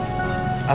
atau kata perceraian